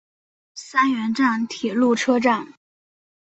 三原站铁路车站。